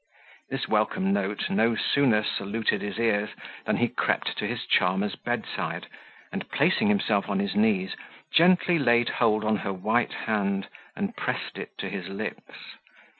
This welcome note no sooner saluted his ears, than he crept to his charmer's bedside, and placing himself on his knees, gently laid hold on her white hand, and pressed it to his lips.